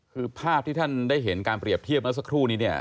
คือภาพที่ท่านได้เห็นการเปรียบเทียบเมื่อสักครู่นี้เนี่ย